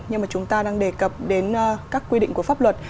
nhưng mà chúng ta đang đề cập đến các quy định của pháp luật